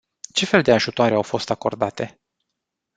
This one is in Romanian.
Ce fel de ajutoare au fost acordate?